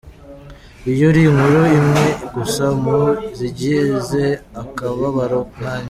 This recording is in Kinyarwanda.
Iyo ni inkuru imwe gusa mu zigize akababaro kanjye."